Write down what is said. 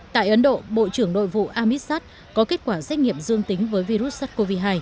tại ấn độ bộ trưởng nội vụ amissad có kết quả xét nghiệm dương tính với virus sars cov hai